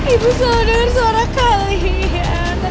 ibu selalu denger suara kalian